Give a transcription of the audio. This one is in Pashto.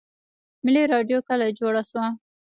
ملي راډیو کله جوړه شوه؟